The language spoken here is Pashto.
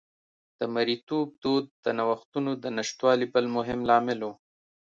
د مریتوب دود د نوښتونو د نشتوالي بل مهم لامل و